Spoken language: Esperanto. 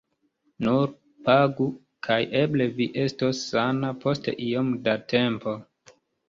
Nur pagu, kaj eble vi estos sana post iom da tempo.